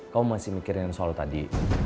kau masih mikirin soal tadi